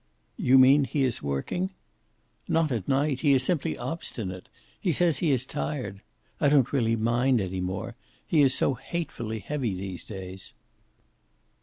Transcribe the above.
"You mean he is working?" "Not at night. He is simply obstinate. He says he is tired. I don't really mind any more. He is so hatefully heavy these days."